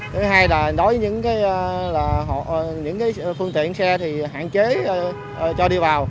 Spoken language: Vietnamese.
thứ hai là đối với những phương tiện xe thì hạn chế cho đi vào